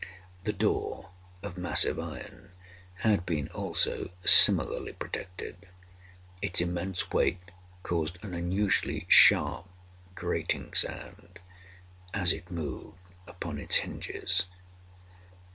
The door, of massive iron, had been, also, similarly protected. Its immense weight caused an unusually sharp grating sound, as it moved upon its hinges.